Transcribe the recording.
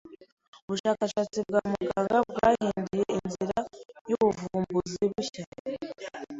Ubushakashatsi bwa muganga bwahinduye inzira yubuvumbuzi bushya.